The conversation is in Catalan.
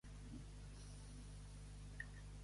La son no espera llit, ni la talent companyia.